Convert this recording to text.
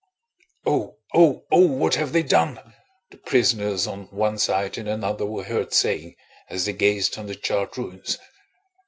"Oh, oh, oh! What have they done?" the prisoners on one side and another were heard saying as they gazed on the charred ruins.